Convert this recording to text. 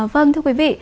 vâng thưa quý vị